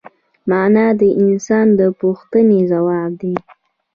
مانا د انسان د پوښتنې ځواب دی.